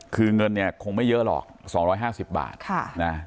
คือเงินเนี่ยคงไม่เยอะหรอกสองร้อยห้าสิบบาทค่ะนะ